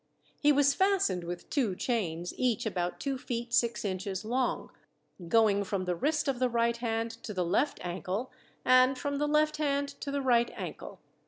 He was fastened with two chains, each about two feet six inches long, going from the wrist of the right hand to the left ankle, and from the left hand to the right ankle.